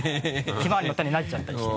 ひまわりの種投げちゃったりしてね。